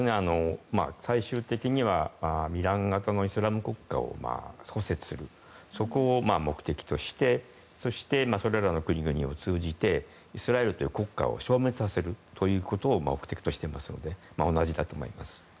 最終的にはイスラム国家を創設することを目的としてそして、それらの国々を通じてイスラエルという国家を消滅させるということを目的としていますので同じ立場にあります。